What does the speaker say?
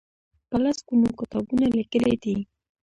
په لس ګونو کتابونه لیکلي دي.